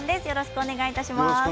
よろしくお願いします。